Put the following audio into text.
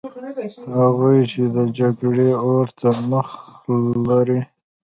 هغوی چې د جګړې اور ته مخه لري.